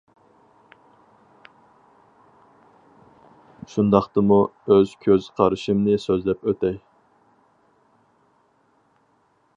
شۇنداقتىمۇ ئۆز كۆز قارشىمنى سۆزلەپ ئۆتەي!